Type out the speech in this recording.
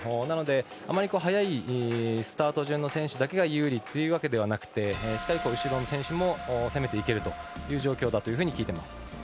なので、あまり早いスタート順の選手だけが有利というわけではなくてしっかり後ろの選手も攻めていけるという状況だと聞いています。